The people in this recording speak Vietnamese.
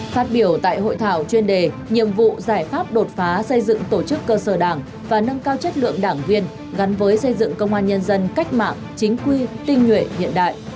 phát biểu tại hội thảo chuyên đề nhiệm vụ giải pháp đột phá xây dựng tổ chức cơ sở đảng và nâng cao chất lượng đảng viên gắn với xây dựng công an nhân dân cách mạng chính quy tinh nhuệ hiện đại